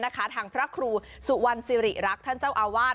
ทางพระครูสุวรรณสิริรักษ์ท่านเจ้าอาวาส